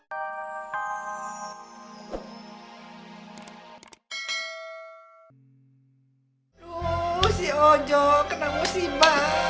aduh si ojo kena musibah